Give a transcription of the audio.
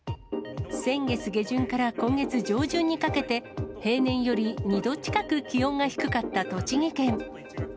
先月下旬から今月上旬にかけて、平年より２度近く気温が低かった栃木県。